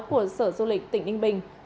của sở du lịch tỉnh ninh bình